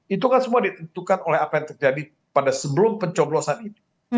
itu kan semua ditentukan oleh apa yang terjadi pada sebelum pencoblosan ini